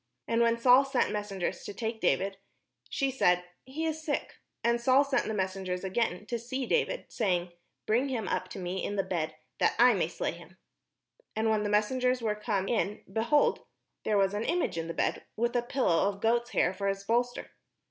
And when Saul sent mes sengers to take David, she said, "He is sick." And Saul sent the messengers again to see David, saying, " Bring him up to me in the bed, that I may slay him." And when the messengers were come in, behold, there was an image in the bed, with a pillow of goats' hair for his bolster.